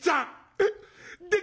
「えっ？